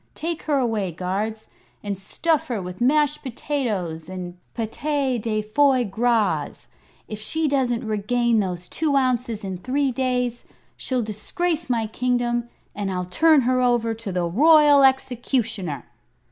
"Take her away, guards, and stuff her with mashed potatoes and pate de foi gras. If she doesn't regain those two ounces in three days, she'll disgrace my kingdom, and I'll turn her over to the Royal Executioner."